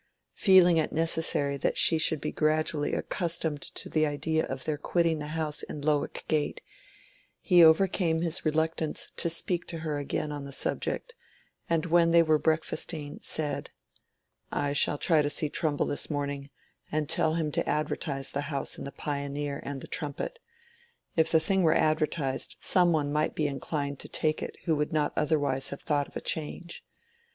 Feeling it necessary that she should be gradually accustomed to the idea of their quitting the house in Lowick Gate, he overcame his reluctance to speak to her again on the subject, and when they were breakfasting said— "I shall try to see Trumbull this morning, and tell him to advertise the house in the 'Pioneer' and the 'Trumpet.' If the thing were advertised, some one might be inclined to take it who would not otherwise have thought of a change.